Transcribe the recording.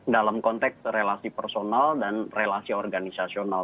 dalam konteks relasi personal dan relasi organisasional